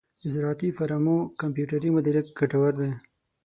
د زراعتی فارمو کمپیوټري مدیریت ګټور دی.